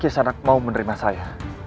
kis anak mau menerima saya